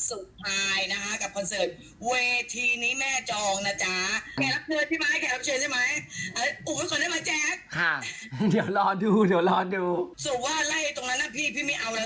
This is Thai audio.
อือ่อ่อช่วงดีมากมันตกลงมาทักดีเลย